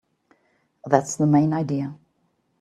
That's the main idea.